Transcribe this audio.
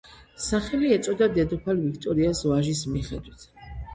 სახელი ეწოდა დედოფალ ვიქტორიას ვაჟის მიხედვით.